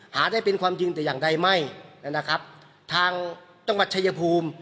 หาได้เป็นความจริงแต่อย่างใดไม่นะครับทางจังหวัดชายภูมิ